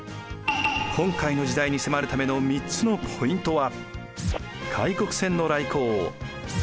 今回の時代に迫るための３つのポイントは。